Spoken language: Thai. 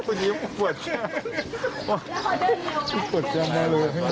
กูยิ้มปวดแช่